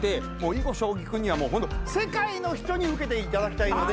囲碁将棋君にはもうホント世界の人にウケていただきたいので。